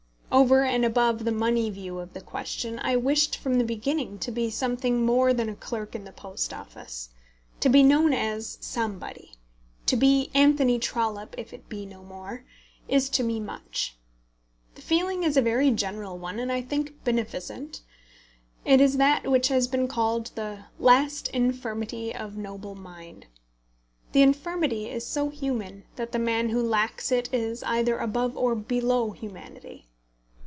Over and above the money view of the question, I wished from the beginning to be something more than a clerk in the Post Office. To be known as somebody, to be Anthony Trollope if it be no more, is to me much. The feeling is a very general one, and I think beneficent. It is that which has been called the "last infirmity of noble mind." The infirmity is so human that the man who lacks it is either above or below humanity.